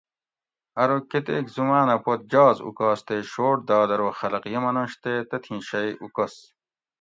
ارو کۤتیک زُمانہ پت جاز اُکاس تے شوٹ داد ارو خلق یہ منش تے تتھی شئی اُوکس